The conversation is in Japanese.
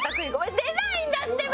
出ないんだってば！